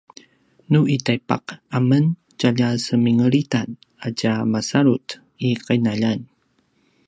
nu i taipaq amen tjalja semingelitan a tja masalut i qinaljan